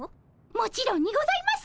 もちろんにございます！